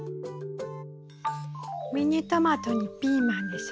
ミニトマトにピーマンでしょ。